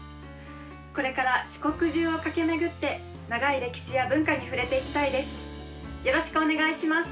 これから四国中を駆け巡って長い歴史や文化に触れていきたいです。